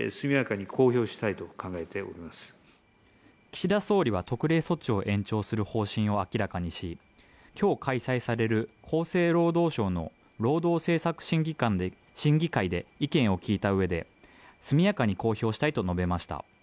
岸田総理は特例措置を延長する方針を明らかにし今日開催される厚生労働省の労働政策審議会で意見を聞いた上で速やかに公表したいと述べました